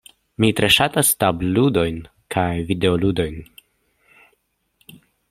Mi tre ŝatas tabulludojn kaj videoludojn.